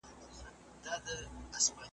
په غومبر او په مستیو ګډېدلې .